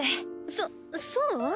そそう？